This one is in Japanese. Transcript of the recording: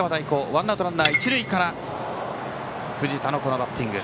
ワンアウトランナー、一塁から藤田のバッティング。